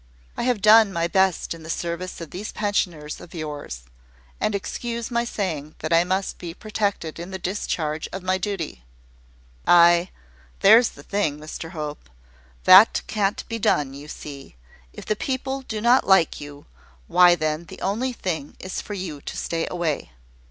I have done my best in the service of these pensioners of yours; and excuse my saying that I must be protected in the discharge of my duty." "Ay, there's the thing, Mr Hope. That can't be done, you see. If the people do not like you, why then the only thing is for you to stay away."